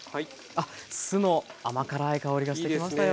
あっ酢の甘辛い香りがしてきましたよ。